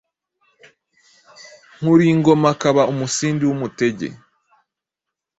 Nkuriyingoma akaba umusindi w’umutege.